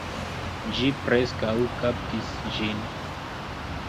Ĝi preskaŭ kaptis ĝin